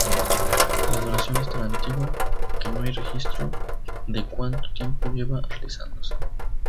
La adoración es tan antigua que no hay registros de cuánto tiempo lleva realizándose.